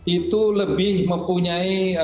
itu lebih mempunyai